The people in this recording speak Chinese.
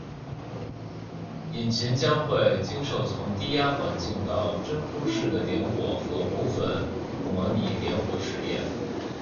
引擎将会经受从低压环境到真空室的点火和部分模拟点火实验。